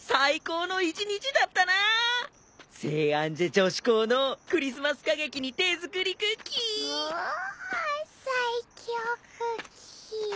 女子校のクリスマス歌劇に手作りクッキー！